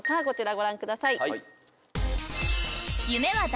こちらご覧ください。